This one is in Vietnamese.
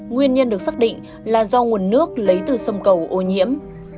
nguyên nhân được xác định là do nguồn nước lấy từ sông cầu ô nhiễm